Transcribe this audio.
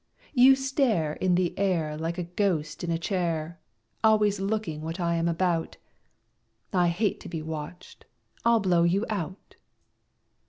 You stare In the air Like a ghost in a chair, Always looking what I am about; I hate to be watched I'll blow you out."